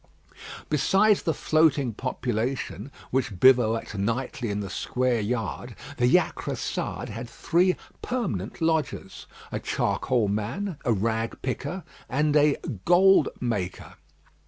Besides the floating population which bivouacked nightly in the square yard, the Jacressade had three permanent lodgers a charcoal man, a rag picker, and a "gold maker."